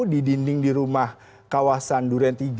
di dinding di rumah kawasan duren tiga